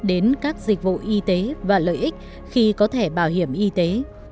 đến các dịch vụ y tế và lợi ích khi có thẻ bảo hiểm y tế